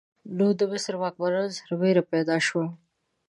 نو د مصر واکمنانو سره ویره پیدا شوه.